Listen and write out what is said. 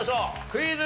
クイズ。